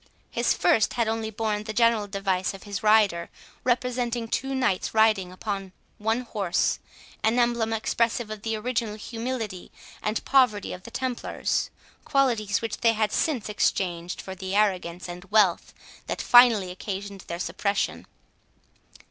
His first had only borne the general device of his rider, representing two knights riding upon one horse, an emblem expressive of the original humility and poverty of the Templars, qualities which they had since exchanged for the arrogance and wealth that finally occasioned their suppression.